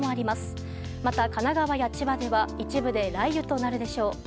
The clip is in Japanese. また、神奈川や千葉では一部で雷雨となるでしょう。